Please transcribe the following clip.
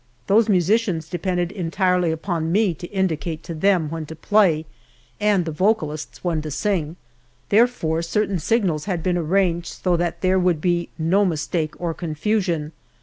Those musicians depended entirely upon me to indicate to them when to play and the vocalists when to sing, therefore certain signals had been arranged so that there would be no mistake or confusion.